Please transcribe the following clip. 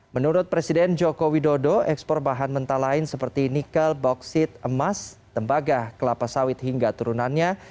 menurut presiden joko widodo ekspor bahan mentah lain seperti nikel bauksit emas tembaga kelapa sawit hingga turunannya